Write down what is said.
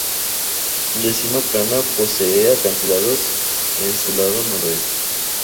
De cima plana, posee acantilados en su lado noreste.